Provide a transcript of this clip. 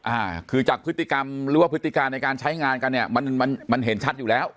อ่าคือจากพฤติกรรมหรือว่าพฤติการในการใช้งานกันเนี้ยมันมันเห็นชัดอยู่แล้ว